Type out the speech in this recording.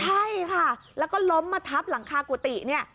ใช่ค่ะแล้วก็ล้มมาทับหลังคากุฏิเนี่ย